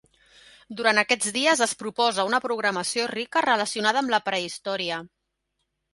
Durant aquests dies es proposa una programació rica relacionada amb la prehistòria.